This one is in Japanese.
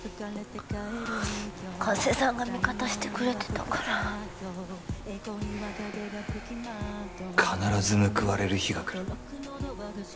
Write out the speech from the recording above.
加瀬さんが味方してくれてたから必ず報われる日が来る